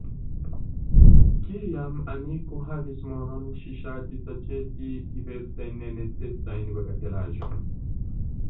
Kiam Aniko havis monon ŝi ŝatis aĉeti diversajn nenecesajn bagatelaĵojn.